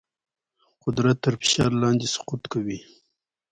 قدرت تر فشار لاندې سقوط کوي.